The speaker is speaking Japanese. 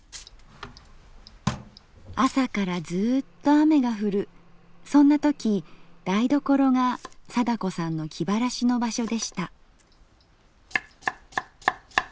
朝からずうっと雨が降るそんな時台所が貞子さんの気晴らしの場所でした。